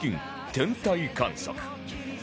『天体観測』